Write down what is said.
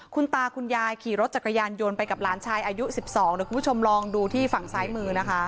คุณตาคุณยายขี่รถจักรยานยนต์ไปกับหลานชายอายุ๑๒เดี๋ยวคุณผู้ชมลองดูที่ฝั่งซ้ายมือนะคะ